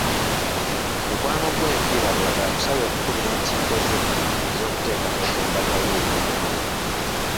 Mukwano gwo enfiirabulago akusabye okukulira enkiiko ze ez’okuteekateeka embaga ye ey’obugole.